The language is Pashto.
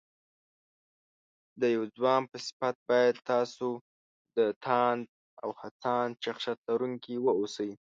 د يو ځوان په صفت بايد تاسو د تاند او هڅاند شخصيت لرونکي واوسئ